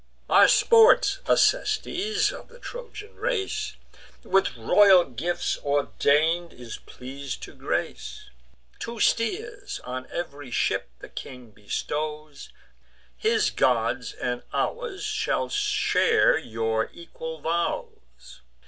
Our sports Acestes, of the Trojan race, With royal gifts ordain'd, is pleas'd to grace: Two steers on ev'ry ship the king bestows; His gods and ours shall share your equal vows.